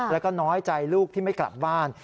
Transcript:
แล้วก็น้อยใจลูกที่ไม่กลับบ้าน